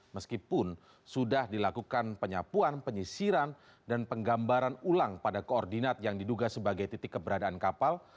meskipun sudah dilakukan penyapuan penyisiran dan penggambaran ulang pada koordinat yang diduga sebagai titik keberadaan kapal